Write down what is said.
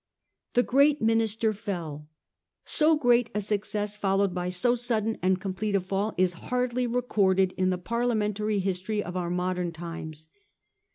The great minister fell. So great a success fol lowed by so sudden and complete a fall is hardly re corded in the Parliamentary history of our modern times.